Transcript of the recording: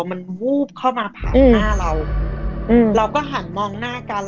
มันวูบเข้ามาผ่านหน้าเราเราก็หันมองหน้ากัน